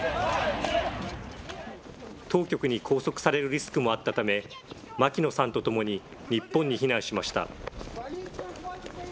当局に拘束されるリスクもあったため、牧野さんと共に日本に避難しました。